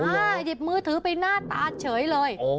หยิบมือถือไปหน้าตาเฉยเลย